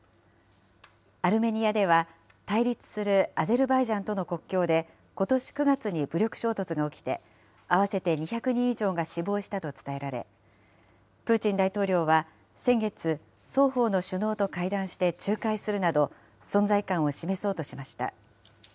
アルメニアでは、対立するアゼルバイジャンとの国境で、ことし９月に武力衝突が起きて、合わせて２００人以上が死亡したと伝えられ、プーチン大統領は先月、双方の首脳と会談して仲介するなど、存在感を示そうとしました。